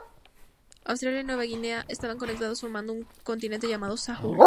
Australia y Nueva Guinea estaban conectados formando un continente llamado Sahul.